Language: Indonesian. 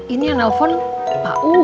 ini yang telepon pak u